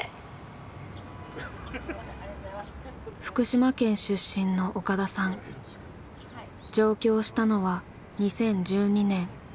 福島県出身の岡田さん上京したのは２０１２年。